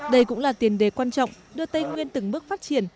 đây cũng là tiền đề quan trọng đưa tây nguyên từng bước phát triển